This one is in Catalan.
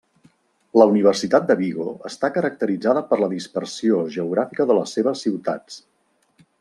La Universitat de Vigo està caracteritzada per la dispersió geogràfica de les seves ciutats.